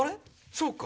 そうか！